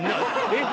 えっ？